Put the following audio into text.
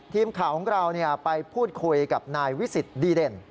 ทีมข่าวของเราไปพูดคุยกับนายวิสิทธิ์ดีเด่น